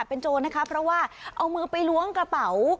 เป็นโจรนะคะเพราะว่าเอามือไปล้วงกระเป๋า